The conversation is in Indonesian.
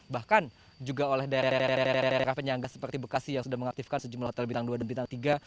bahkan juga oleh daerah penyangga seperti bekasi yang sudah mengaktifkan sejumlah hotel bintang dua dan bintang tiga